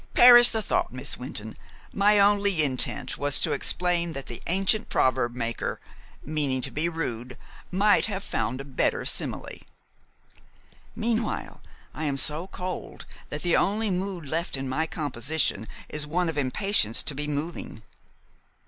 "Perish the thought, Miss Wynton! My only intent was to explain that the ancient proverb maker, meaning to be rude, might have found a better simile." "Meanwhile, I am so cold that the only mood left in my composition is one of impatience to be moving."